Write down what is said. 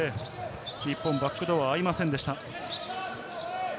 日本、バックドアは合いませんでした。